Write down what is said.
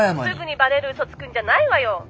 すぐにバレるうそつくんじゃないわよ！